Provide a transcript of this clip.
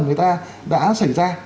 người ta đã xảy ra